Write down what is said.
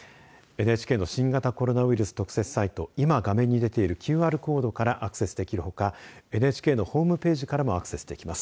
ＮＨＫの新型コロナウイルス特設サイト今画面に出ているＱＲコードからアクセスできるほか、ＮＨＫのホームページからもアクセスできます。